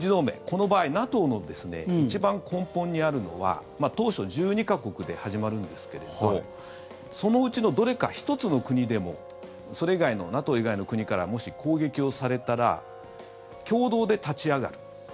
この場合ＮＡＴＯの一番根本にあるのは当初、１２か国で始まるんですけれどそのうちのどれか１つの国でもそれ以外のＮＡＴＯ以外の国からもし攻撃をされたら共同で立ち上がる。